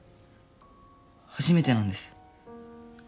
初めてなんです